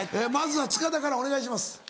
まずは塚田からお願いします。